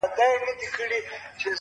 احمد شاه بابا رحمت الله علیه